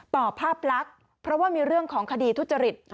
ภาพลักษณ์เพราะว่ามีเรื่องของคดีทุจริต